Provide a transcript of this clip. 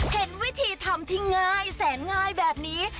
เห็นวิธีทำที่ง่ายแสนง่ายแบบนี้